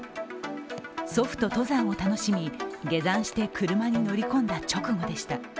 祖父と登山を楽しみ、下山して車に乗り込んだ直後でした。